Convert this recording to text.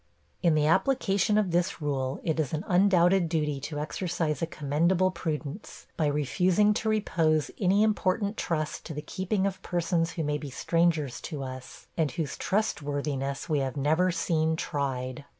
In the application of this rule, it is an undoubted duty to exercise a commendable prudence, by refusing to repose any important trust to the keeping of persons who may be strangers to us, and whose trustworthiness we have never seen tried.